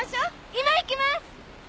今行きます！